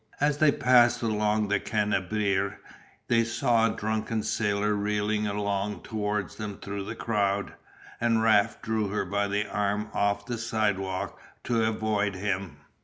As they passed along the Cannabier they saw a drunken sailor reeling along towards them through the crowd, and Raft drew her by the arm off the sidewalk to avoid him.